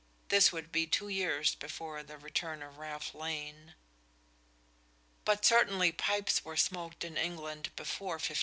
This would be two years before the return of Ralph Lane. But certainly pipes were smoked in England before 1584.